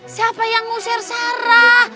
siapa yang ngusir sarah